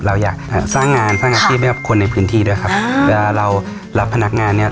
เราอยากเอ่อสร้างงานสร้างอาชีพให้กับคนในพื้นที่ด้วยครับเวลาเรารับพนักงานเนี้ย